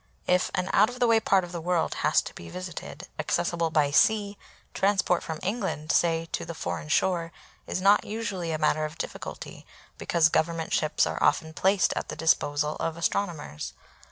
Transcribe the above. If an out of the way part of the world has to be visited, accessible by sea, transport from England, say, to the foreign shore is not usually a matter of difficulty, because Government ships are often placed at the disposal of astronomers.